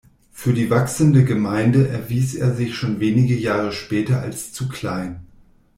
Für die wachsende Gemeinde erwies er sich schon wenige Jahre später als zu klein.